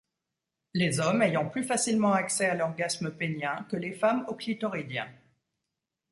Les hommes ayant plus facilement accès à l’orgasme pénien que les femmes au clitoridien.